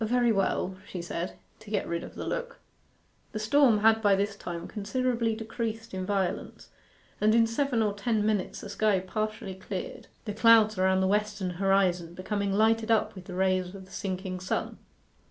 'Very well,' she said, to get rid of the look. The storm had by this time considerably decreased in violence, and in seven or ten minutes the sky partially cleared, the clouds around the western horizon becoming lighted up with the rays of the sinking sun.